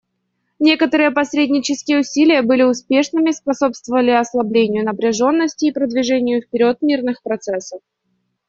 Некоторые посреднические усилия были успешными, способствовали ослаблению напряженности и продвижению вперед мирных процессов.